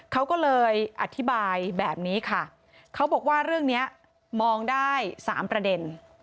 เขาก็เลยอธิบายแบบนี้ค่ะเขาบอกว่าเรื่องนี้มองได้๓ประเด็น